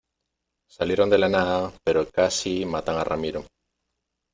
salieron de la nada, pero casi matan a Ramiro.